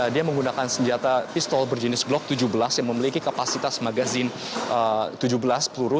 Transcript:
dia menggunakan senjata pistol berjenis blok tujuh belas yang memiliki kapasitas magazin tujuh belas peluru